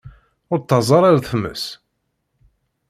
Ur ttaẓ ara ar tmes.